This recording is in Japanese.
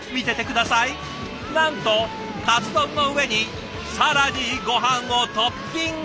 なんとカツ丼の上に更にごはんをトッピング。